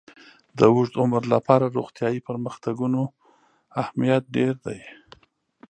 د اوږد عمر لپاره د روغتیايي پرمختګونو اهمیت ډېر دی.